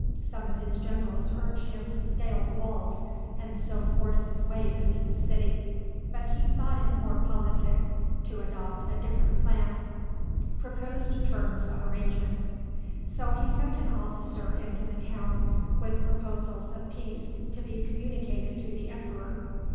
Some of his generals urged him to scale the walls, and so force his way into the city. But he thought it more politic to adopt a different plan. So he sent an officer into the town with proposals of peace to be communicated to the emperor.